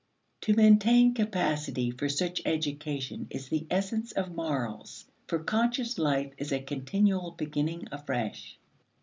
To maintain capacity for such education is the essence of morals. For conscious life is a continual beginning afresh.